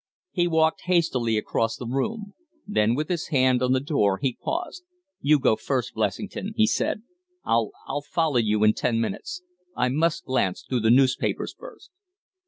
He walked hastily across the room; then, with his hand on the door, he paused. "You go first, Blessington," he said. "I'll I'll follow you in ten minutes. I must glance through the newspapers first."